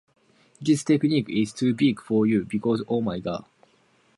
These techniques will require only rudimentary, commonsensical tools.